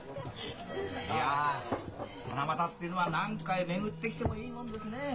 いや七夕っていうのは何回巡ってきてもいいもんですねえ。